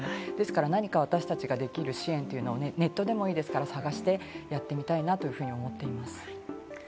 ですから、何か私達ができる支援をネットでもいいですから、探してやってみたいなというふうに思っています。